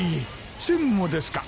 専務もですか？